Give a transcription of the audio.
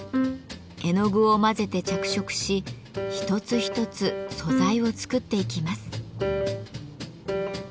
絵の具を混ぜて着色し一つ一つ素材を作っていきます。